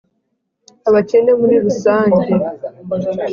abakene muri rusange